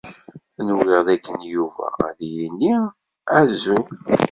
Nwiɣ dakken Yuba ad d-yini azul.